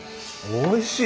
おいしい！